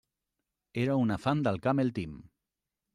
Era una fan del Camel Team.